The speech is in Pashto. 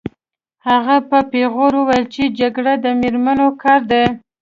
هغه په پیغور وویل چې جګړه د مېړنیو کار دی